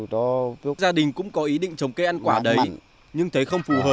trị lợi nông thị lợi